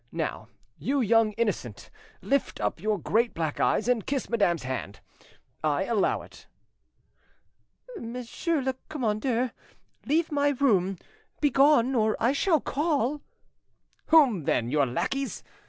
Now, you young innocent, lift up your great black eyes and kiss madame's hand; I allow it." "Monsieur le commandeur, leave my room; begone, or I shall call——" "Whom, then? Your lackeys?